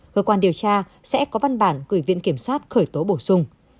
cơ quan điều tra sẽ có văn bản gửi viện kiểm sát khởi tố bổ sung